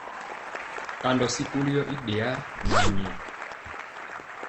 Kandɔ sikoli yɔ i ɗeyaa nɛ anyayɛ.